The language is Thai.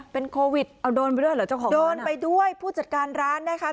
เป็นโควิดเอาโดนไปด้วยเหรอเจ้าของโดนไปด้วยผู้จัดการร้านนะคะ